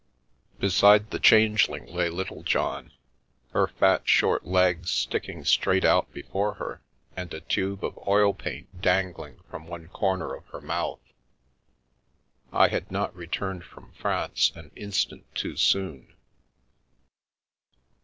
Beside the Changeling lay Littlejohn, her fat, short legs sticking straight out before her, and a tube of oil paint dangling from one corner of her mouth. I had not returned from France an instant too soon.